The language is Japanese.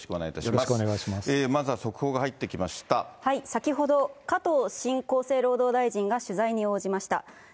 先ほど、加藤新厚生労働大臣が取材に応じました。